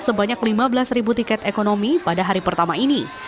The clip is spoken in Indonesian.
sebanyak lima belas ribu tiket ekonomi pada hari pertama ini